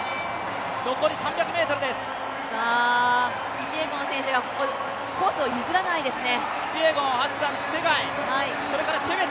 キピエゴン選手がコースを譲らないですね。